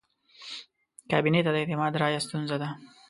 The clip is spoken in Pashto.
کابینې ته د اعتماد رایه ستونزه ده.